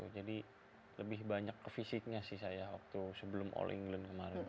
jadi lebih banyak ke fisiknya sih saya waktu sebelum all england kemarin